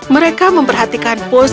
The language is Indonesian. mereka memperhatikan pus